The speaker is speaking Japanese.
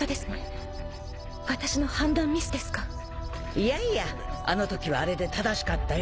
い笋いあの時はあれで正しかったよ。